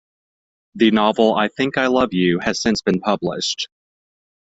The novel "I Think I Love You" has since been published.